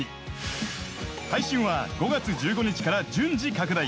配信は５月１５日から順次拡大。